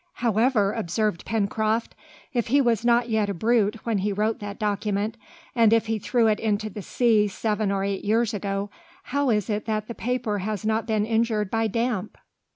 "However," observed Pencroft, "if he was not yet a brute when he wrote that document, and if he threw it into the sea seven or eight years ago, how is it that the paper has not been injured by damp?"